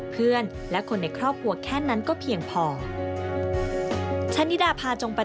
เพื่อนและคนในครอบครัวแค่นั้นก็เพียงพอ